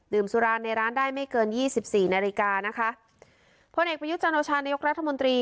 ดื่มสุราในร้านได้ไม่เกินยี่สิบสี่นาฬิกานะคะผู้เอกประยุทธ์จังหวัดชาวนายกรัฐมนตรี